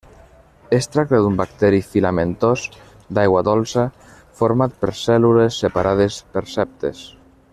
Es tracta d'un bacteri filamentós d'aigua dolça, format per cèl·lules separades per septes.